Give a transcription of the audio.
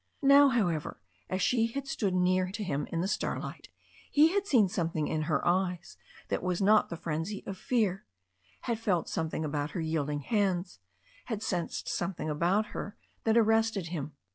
Now, however, as she had stood near to him in the starlight, he had seen something in her eyes that was not the frenzy of fear, had felt something about her yielding hands, had sensed something about her that arrested him.